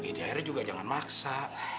akhirnya juga jangan maksa